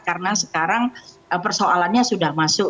karena sekarang persoalannya sudah masuk